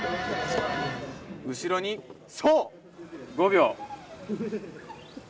後ろに、そう、５秒。